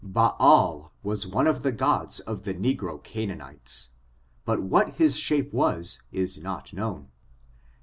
Baal was one of the gods of the negro Canaan ites, but what his shape was is not known.